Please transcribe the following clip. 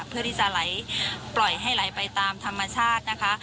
เพื่อที่จะไหลปล่อยให้ไหลไปตามธรรมชาตินะคะ